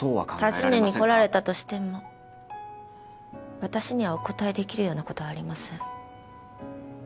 尋ねに来られたとしても私にはお答えできるようなことはありません